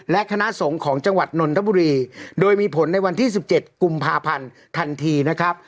และคณะสงฆ์ของจังหวัดนนทบุรีโดยมีผลในวันที่๑๗กุมภาพันธ์ทันทีนะครับ